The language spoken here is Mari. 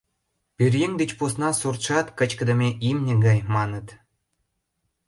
Пӧръеҥ деч посна суртшат кычкыдыме имне гай, маныт.